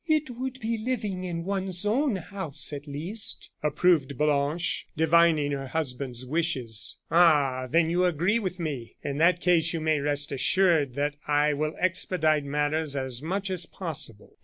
"It would be living in one's own house, at least," approved Blanche, divining her husband's wishes. "Ah! then you agree with me! In that case, you may rest assured that I will expedite matters as much as possible."